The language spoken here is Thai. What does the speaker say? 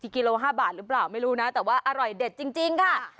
กิโล๕บาทหรือเปล่าไม่รู้นะแต่ว่าอร่อยเด็ดจริงค่ะ